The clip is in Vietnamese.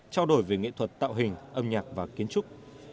trao đổi về nghệ thuật tạo hình âm nhạc và kiến trúc